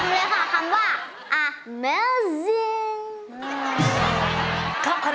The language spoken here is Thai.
บอก๓คำเลยค่ะคำว่า